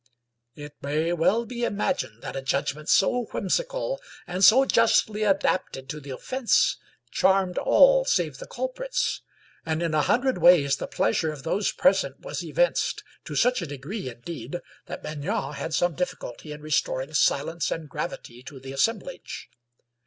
It may well be imagined that a judgment so whimsical, and so justly adapted to the offense, charmed all save the culprits; and in a hundred ways the pleasure of those pres ent was evinced, to such a degree, indeed, that Maignan had some difficulty in restoring silence and gravity to the assemblage.